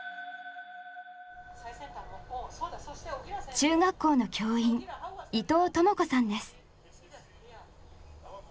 中学校の教員伊藤智子さんです。